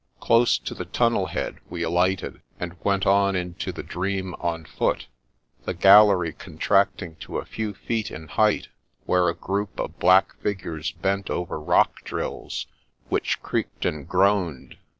Close to the tunnel head we alighted, and went on into the dream on foot, the gallery contracting to a few feet in height, where a group of black figures bent over rock drills which creaked and groaned.